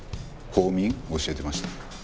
公民教えてました。